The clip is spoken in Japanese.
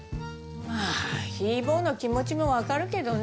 まあヒー坊の気持ちもわかるけどね。